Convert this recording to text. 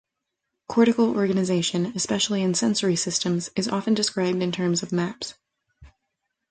Cortical organization, especially in sensory systems, is often described in terms of maps.